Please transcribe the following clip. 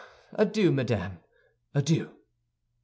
Adieu, madame, adieu!"